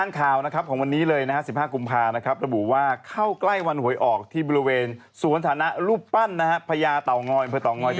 ตำไหนของรายการเราเลยมีการเข้าฝันบอกเลขมาแล้วด้วยนะฮะดูภาพดูภาพ